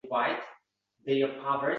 Amaki de, xafa bo’lmayman